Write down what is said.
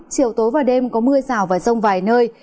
chiều tối và đêm có mưa rào và rông vài nơi